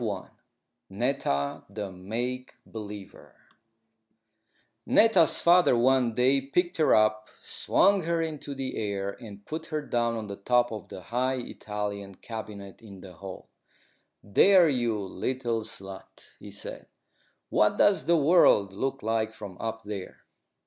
NETTA, THE MAKE BELIEVER Netta's father one day picked her up, swung her into the air, and put her down on the top of the high Italian cabinet in the hall. "There, you little slut," he said, "what does the world look like from up there?"